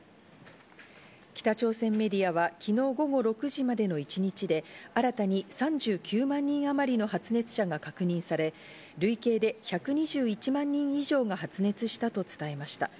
北朝鮮メディアは昨日午後６時までの一日で、新たに３９万人あまりの発熱者が確認され、累計で１２１万人以上が発熱したと伝えました。